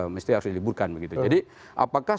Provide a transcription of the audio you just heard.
mesti harus diliburkan begitu jadi apakah